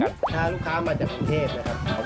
ถ้าลูกค้ามาจากกรุงเทพนะครับ